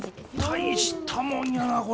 大したもんやなこれ。